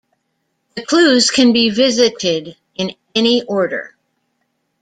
The clues can be visited in any order.